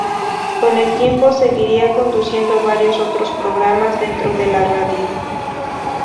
Con el tiempo seguiría conduciendo varios otros programas dentro de la radio.